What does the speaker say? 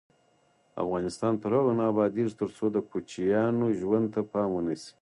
افغانستان تر هغو نه ابادیږي، ترڅو د کوچیانو ژوند ته پام ونشي.